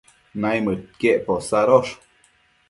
naimëdquiec posadosh